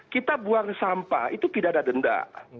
kita buang sampah itu pidana denda